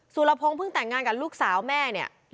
สุรพงศ์เพิ่งแต่งงานกับลูกสาวแม่เนี่ย